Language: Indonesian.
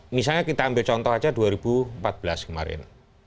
misalnya kita ambil contoh aja dua ribu empat belas kemarin